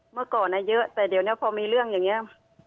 เมื่อก่อนเยอะแต่เดี๋ยวนี้พอมีเรื่องอย่างนี้